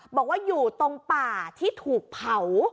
บอกว่าอยู่ตรงป่าที่ถูกเผา